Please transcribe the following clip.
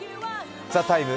「ＴＨＥＴＩＭＥ，」